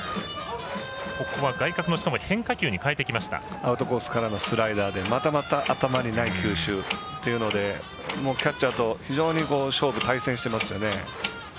アウトコースからのスライダーでまたまた頭にない球種というのでキャッチャーと非常に勝負対戦していますよね。